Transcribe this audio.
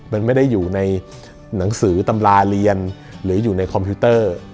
มันไม่ได้อยู่ในหนังสือตำราเรียนหรืออยู่ในคอมพิวเตอร์